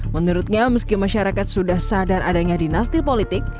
menurutnya meski masyarakat sudah sadar adanya dinasti politik